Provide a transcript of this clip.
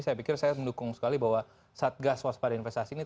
saya pikir saya mendukung sekali bahwa satgas waspada investasi ini